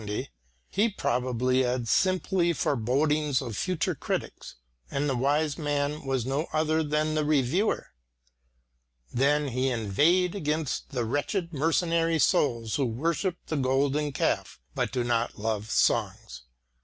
He probably had simply forebodings of future critics, and the "wise man" was no other than the reviewer. Then he inveighed against the wretched mercenary souls who worship the golden calf but do not love songs.